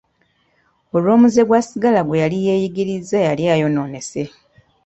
Olw'omuze gwa sigala gwe yali yeeyigirizza yali ayonoonese.